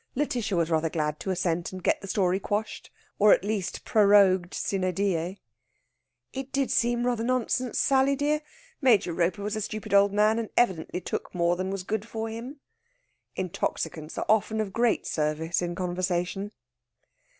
Lætitia was rather glad to assent, and get the story quashed, or at least prorogued sine die. "It did seem rather nonsense, Sally dear. Major Roper was a stupid old man, and evidently took more than was good for him." Intoxicants are often of great service in conversation.